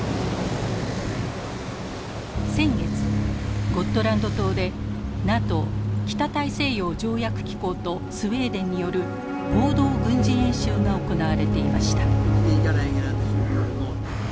先月ゴットランド島でＮＡＴＯ北大西洋条約機構とスウェーデンによる合同軍事演習が行われていました。